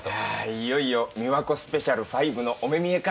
いよいよ美和子スペシャル５のお目見えか。